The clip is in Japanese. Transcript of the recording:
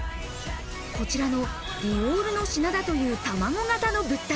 こちらのディオールの品だという卵形の物体。